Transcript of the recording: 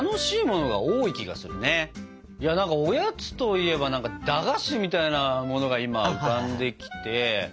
おやつといえば駄菓子みたいなものが今浮かんできて。